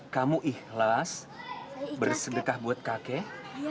kamu ikhlas bersedekah buat kakek